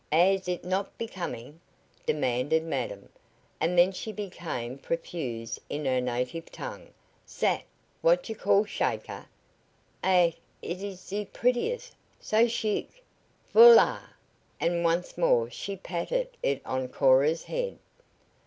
"Es eet not becoming?" demanded madam, and then she became profuse in her native tongue. "Zat what you call Shaker eet is ze prettiest so chic voila!" and once more she patted it on Cora's head.